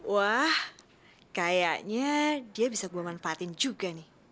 wah kayaknya dia bisa gue manfaatin juga nih